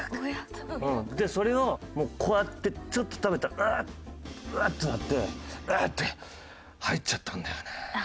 それをもうこうやってちょっと食べたらうっうっとなってウエッて吐いちゃったんだよね。